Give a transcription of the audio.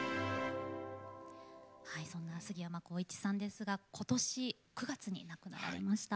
そんなすぎやまこういちさんですがことし９月に亡くなられました。